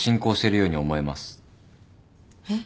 えっ？